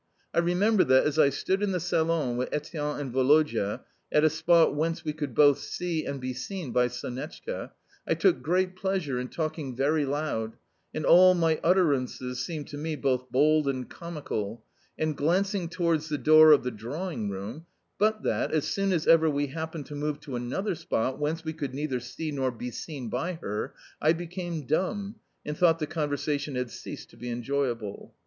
I remember that, as I stood in the salon with Etienne and Woloda, at a spot whence we could both see and be seen by Sonetchka, I took great pleasure in talking very loud (and all my utterances seemed to me both bold and comical) and glancing towards the door of the drawing room, but that, as soon as ever we happened to move to another spot whence we could neither see nor be seen by her, I became dumb, and thought the conversation had ceased to be enjoyable.